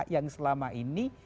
yang selama ini